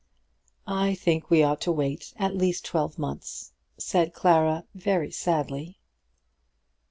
"I think we ought to wait at least twelve months," said Clara, very sadly.